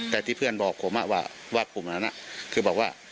แต่ที่เพื่อนบอกผมว่ากลุ่มนั้นคือบอกว่า